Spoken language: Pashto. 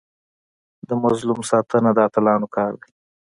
د مظلوم ساتنه د اتلانو کار دی.